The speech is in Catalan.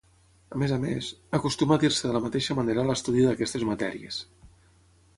A més a més, acostuma a dir-se de la mateixa manera l'estudi d'aquestes matèries.